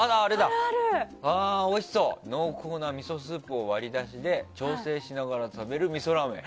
濃厚なみそスープを割り出しで調整しながら食べるみそラーメン。